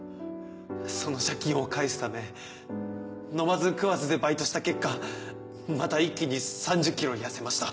その借金を返すため飲まず食わずでバイトした結果また一気に３０ｋｇ痩せました。